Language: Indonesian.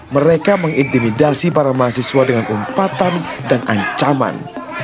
mereka mengintimidasi para mahasiswa dengan umpatan dan ancaman